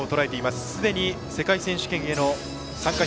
すでに世界選手権への参加